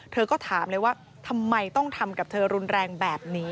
เธอก็ถามเลยว่าทำไมต้องทำกับเธอรุนแรงแบบนี้